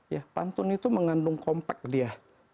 ya pantun itu mengandung kompak dia